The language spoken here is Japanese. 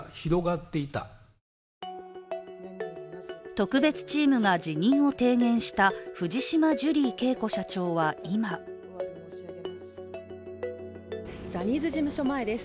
特別チームが辞任を提言した藤島ジュリー景子社長は今ジャニーズ事務所前です。